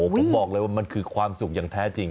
ผมบอกเลยว่ามันคือความสุขอย่างแท้จริง